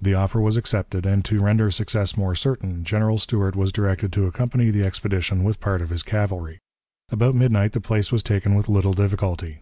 The offer was accepted, and, to render success more certain, General Stuart was directed to accompany the expedition with part of his cavalry. About midnight the place was taken with little difficulty.